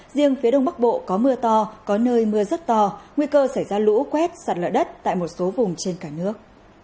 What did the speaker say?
riêng phía đông bắc bộ có mưa to có nơi mưa rất to nguy cơ xảy ra lũ quét sạt lỡ đất tại một số vùng trên cả nước